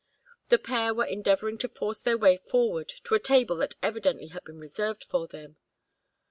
The pair were endeavoring to force their way forward to a table that evidently had been reserved for them.